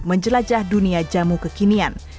menjelajah dunia jamu kekinian